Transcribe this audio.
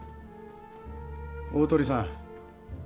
大鳥さん